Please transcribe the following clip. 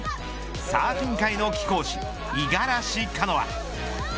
サーフィン界の貴公子五十嵐カノア。